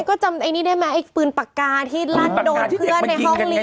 ก็จำไอ้นี่ได้ไหมไอ้ปืนปากกาที่ลั่นโดนเพื่อนในห้องเรียน